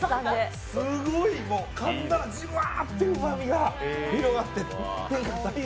すごい、かんだらジュワッとうまみが広がって。